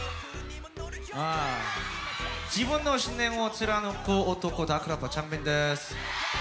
自分の信念を貫く男ダークラッパーチャンビンです。